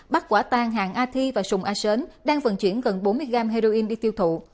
bắt quả tàn hàng a thi và sùng a sến đang vận chuyển gần bốn mươi gam heroin đi tiêu thụ